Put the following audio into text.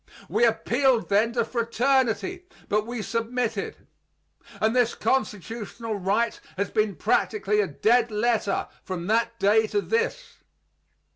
We appealed then to fraternity, but we submitted; and this constitutional right has been practically a dead letter from that day to this.